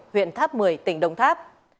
huyện tháp một mươi tỉnh đồng tháp